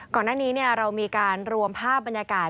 ก่อนหน้านี้เรามีการรวมภาพบรรยากาศ